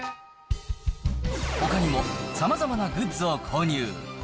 ほかにも、さまざまなグッズを購入。